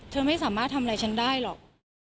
เธอไม่สามารถทำอะไรฉันได้หรอก